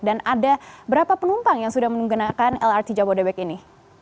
dan ada berapa penumpang yang sudah menggunakan lrt jabodebek ini